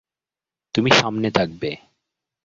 তুমি সামনে থাকবে।